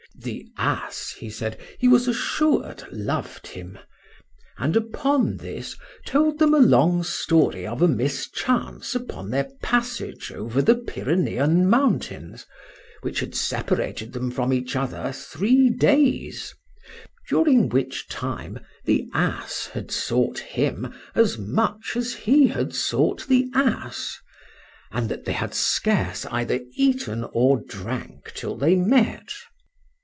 —The ass, he said, he was assured, loved him;—and upon this told them a long story of a mischance upon their passage over the Pyrenean mountains, which had separated them from each other three days; during which time the ass had sought him as much as he had sought the ass, and that they had scarce either eaten or drank till they met.